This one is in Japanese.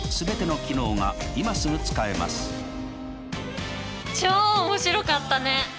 これで超面白かったね。